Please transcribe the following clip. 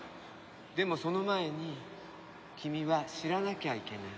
でもその前に君は知らなきゃいけない。